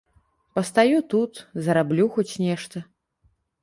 Пастаю тут, зараблю хоць нешта.